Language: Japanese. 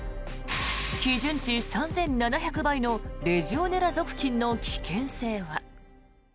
基準値３７００倍のレジオネラ属菌の危険性は。